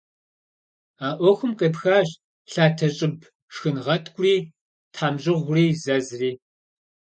А ӏуэхум къепхащ лъатэщӏыб шхынгъэткӏури, тхьэмщӏыгъури, зэзри.